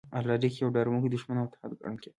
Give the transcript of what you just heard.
الاریک یو ډاروونکی دښمن او متحد ګڼل کېده